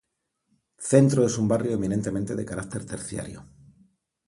Centro es un barrio eminentemente de carácter terciario.